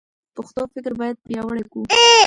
پښتو فکر باید پیاوړی کړو.